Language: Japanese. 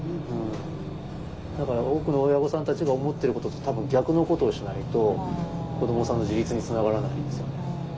だから多くの親御さんたちが思ってることと多分逆のことをしないと子どもさんの自立につながらないんですよね。